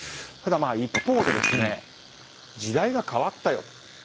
ただ一方で、時代が変わったよ。